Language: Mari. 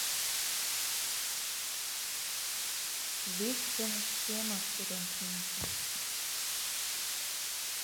Вик чонышкемак пурен шинче.